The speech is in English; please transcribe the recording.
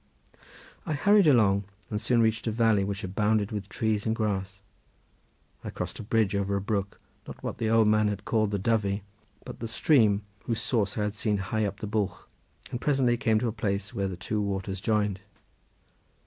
I hurried along and soon reached a valley which abounded with trees and grass; I crossed a bridge over a brook, not what the old man had called the Dyfi, but the stream whose source I had seen high up the bwlch, and presently came to a place where the two waters joined.